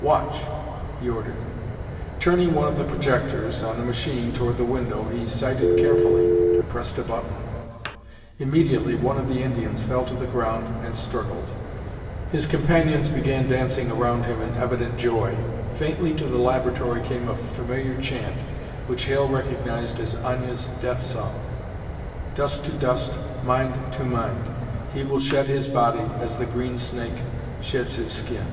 "Watch!" he ordered. Turning one of the projectors on the machine toward the window, he sighted carefully and pressed a button. Immediately one of the Indians fell to the ground and struggled. His companions began dancing around him in evident joy. Faintly to the laboratory came a familiar chant, which Hale recognized as Aña's death song. Dust to dust Mind to Mind He will shed his body As the green snake sheds his skin.